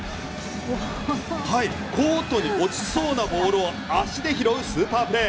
コートに落ちそうなボールを足で拾うスーパープレー。